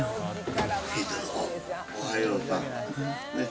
おはようさん。